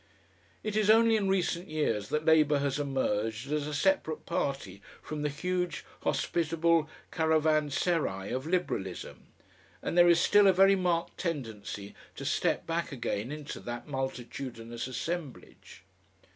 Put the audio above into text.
It is only in recent years that Labour has emerged as a separate party from the huge hospitable caravanserai of Liberalism, and there is still a very marked tendency to step back again into that multitudinous assemblage.